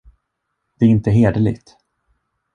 Det är inte hederligt.